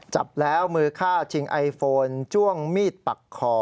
จับแล้วมือฆ่าชิงไอโฟนจ้วงมีดปักคอ